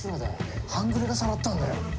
半グレがさらったんだよ。